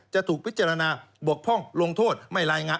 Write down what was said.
จะถูกพิจารณาบกพร่องลงโทษไม่รายงาน